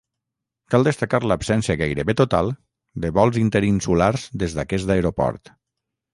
Cal destacar l'absència gairebé total de vols interinsulars des d'aquest aeroport.